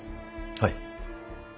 はい。